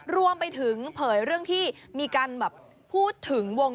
เกรดเอสมัย๒๓ปีก่อนอ่ะคุณ